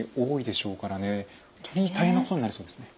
本当に大変なことになりそうですね。